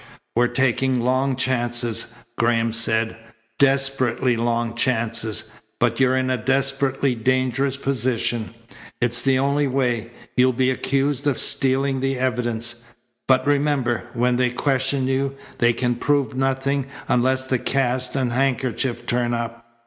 "We're taking long chances," Graham said, "desperately long chances, but you're in a desperately dangerous position. It's the only way. You'll be accused of stealing the evidence; but remember, when they question you, they can prove nothing unless the cast and the handkerchief turn up.